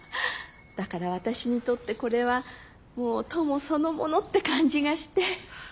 だから私にとってこれはもうトモそのものって感じがして。